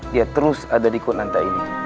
dia terus ada di kunanta ini